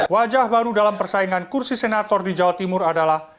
wajah baru dalam persaingan kursi senator di jawa timur adalah